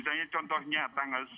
misalnya contohnya tanggal